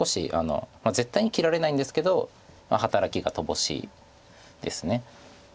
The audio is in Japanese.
絶対に切られないんですけど働きが乏しいです。